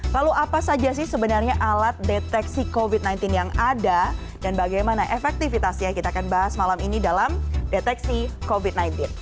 lalu apa saja sih sebenarnya alat deteksi covid sembilan belas yang ada dan bagaimana efektivitasnya kita akan bahas malam ini dalam deteksi covid sembilan belas